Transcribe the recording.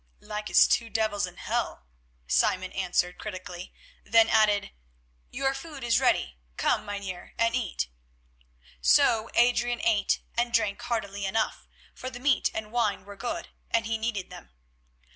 "Like as two devils in hell," Simon answered critically, then added, "Your food is ready; come, Mynheer, and eat." So Adrian ate and drank heartily enough, for the meat and wine were good, and he needed them.